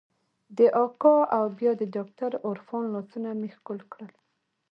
د اکا او بيا د ډاکتر عرفان لاسونه مې ښکل کړل.